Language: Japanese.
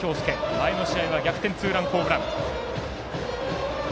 前の試合は逆転ツーランホームラン。